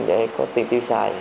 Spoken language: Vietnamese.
để có tiền tiêu xài